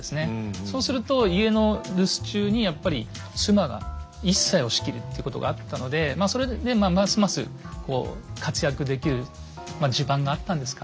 そうすると家の留守中にやっぱり妻が一切を仕切るっていうことがあったのでまあそれでますます活躍できる地盤があったんですかね。